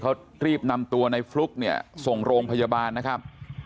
เขารีบนำตัวในฟลุ๊กเนี่ยส่งโรงพยาบาลนะครับ